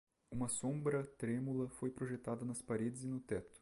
Uma sombra trêmula foi projetada nas paredes e no teto.